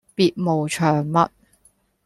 別無長物